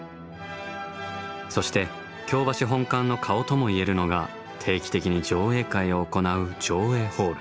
そして京橋本館の顔とも言えるのが定期的に上映会を行う上映ホール。